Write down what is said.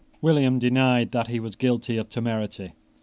William denied that he was guilty of temerity.